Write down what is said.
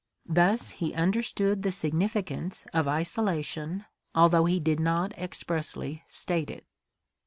Thus he understood the significance of isolation, although he did not expressly state it.